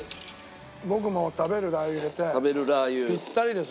僕も食べるラー油入れてピッタリですね。